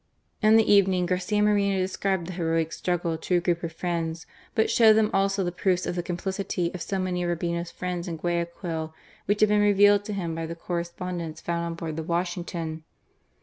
In the evening Garcia Moreno described the heroic struggle to a group of friends, but showed them also the proofs of the complicity of so many of Urbina's friends in Guayaquil, which had been revealed to him by the correspondence found on board the Washington.